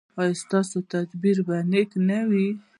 ایا ستاسو تعبیر به نیک نه وي؟